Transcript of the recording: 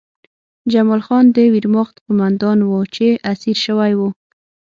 جمال خان د ویرماخت قومندان و چې اسیر شوی و